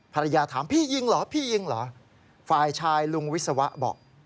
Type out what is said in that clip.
ภรรยาถามพี่ยิงเหรอฝ่ายชายลุงวิศวะบอก